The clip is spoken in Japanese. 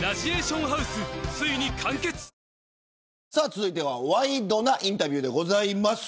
続いてはワイドｎａインタビューでございます。